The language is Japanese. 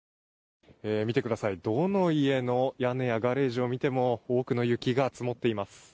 見てください、どの家の屋根やガレージを見ても多くの雪が積もっています。